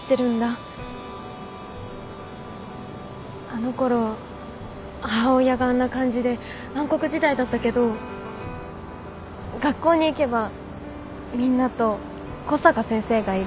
あのころ母親があんな感じで暗黒時代だったけど学校に行けばみんなと小坂先生がいる。